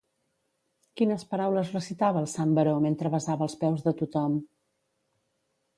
Quines paraules recitava el sant baró mentre besava els peus de tothom?